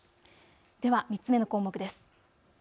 では３つ目の項目です。